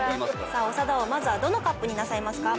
さあ長田王まずはどのＣＵＰになさいますか？